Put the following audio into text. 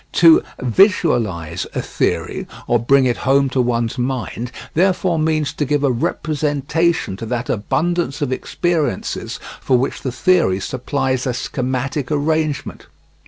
To "visualise" a theory, or bring it home to one's mind, therefore means to give a representation to that abundance of experiences for which the theory supplies the schematic arrangement.